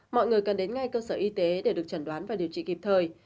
mọi người cần đến ngay cơ sở y tế để được chẩn đoán và điều trị kịp thời